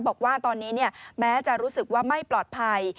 บอกว่าตอนนี้แม้จะรู้สึกว่าไม่ปลอดภัย